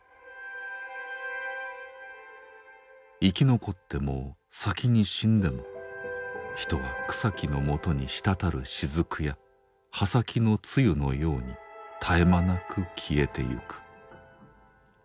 生き残っても先に死んでも人は草木のもとに滴る雫や葉先の露のように絶え間なく消えてゆく。